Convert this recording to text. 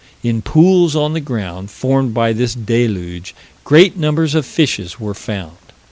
In pools on the ground, formed by this deluge, great numbers of fishes were found.